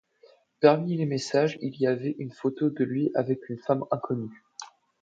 Parmi les messages, il y avait une photo de lui avec une femme inconnue.